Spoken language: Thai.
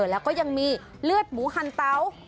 แล้วก็ยังมีเลือดหมูหันเตา